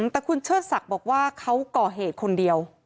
แต่คุณเชิดศักดิ์บอกว่าเขาก่อเหตุคนเดียว